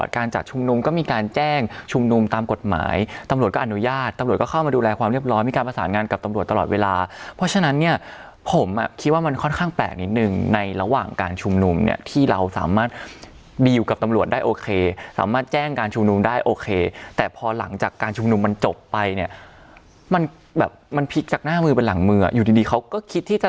เข้ามาดูแลความเรียบร้อยมีการประสานงานกับตำรวจตลอดเวลาเพราะฉะนั้นเนี่ยผมอ่ะคิดว่ามันค่อนข้างแปลกนิดนึงในระหว่างการชุมนุมเนี่ยที่เราสามารถบีลกับตำรวจได้โอเคสามารถแจ้งการชุมนุมได้โอเคแต่พอหลังจากการชุมนุมมันจบไปเนี่ยมันแบบมันพลิกจากหน้ามือไปหลังมืออ่ะอยู่ดีเขาก็คิดที่